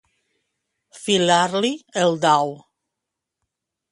Filar-li el dau.